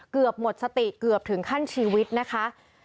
เกือบหมดสติเกือบถึงขั้นชีวิตนะคะ